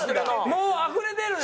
もうあふれ出るんだね。